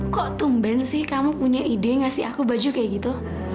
kok tumben sih kamu punya ide ngasih aku baju kayak gitu